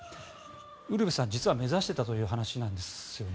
ウルヴェさん、実は目指していたという話なんですよね。